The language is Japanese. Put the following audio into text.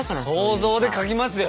想像で描きますよ